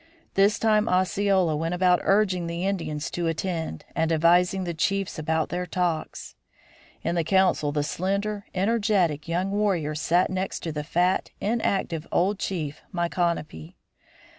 This time Osceola went about urging the Indians to attend and advising the chiefs about their talks. In the council the slender, energetic, young warrior sat next to the fat, inactive old chief, Micanopy.